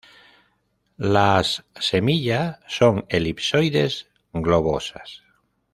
Las semilla son elipsoides-globosas.